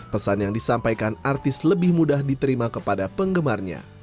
pesan yang disampaikan artis lebih mudah diterima kepada penggemarnya